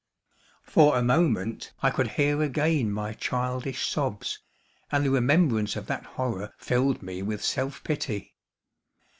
For a moment I could hear again my childish sobs, and the remembrance of that horror filled me with self pity.